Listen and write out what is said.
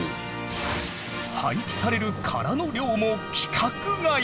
廃棄される殻の量も規格外！